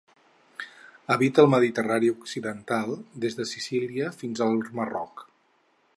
Habita al Mediterrani occidental, des de Sicília fins al Marroc.